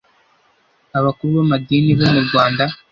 abakuru b’amadini bo mu Rwanda